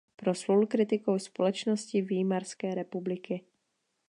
Proslul kritikou společnosti Výmarské republiky.